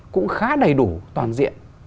cũng khá đầy đủ toàn diện